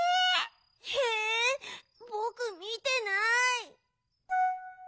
えぼくみてない。